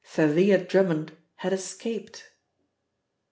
Thalia Drummond had escaped!